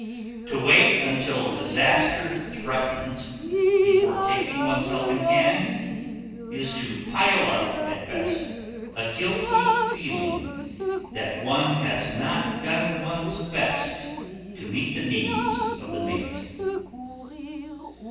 To wait until disaster threatens before taking oneself in hand is to pile up, at best, a guilty feeling that one has not done one's best to meet the needs of the mate.